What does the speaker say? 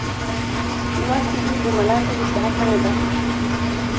لوستې لور د ملنډو مستحقه نه ده.